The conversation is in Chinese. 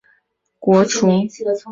于是泾阳国除。